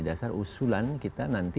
dasar usulan kita nanti